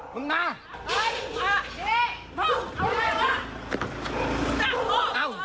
มึงมา